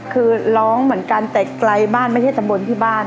คือร้องเหมือนกันแต่ไกลบ้านไม่ใช่ตำบลที่บ้าน